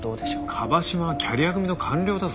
椛島はキャリア組の官僚だぞ。